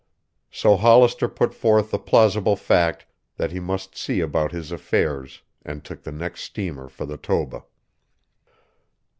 So Hollister put forth the plausible fact that he must see about his affairs and took the next steamer for the Toba.